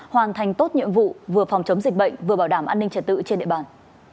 hoàn thành tốt nhiệm vụ vừa phòng chống dịch bệnh vừa bảo đảm an ninh trật tự trên địa bàn